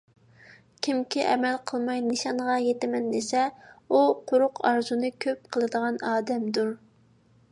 كىمكى ئەمەل قىلماي نىشانغا يېتىمەن دېسە، ئۇ قۇرۇق ئارزۇنى كۆپ قىلىدىغان ئادەمدۇر.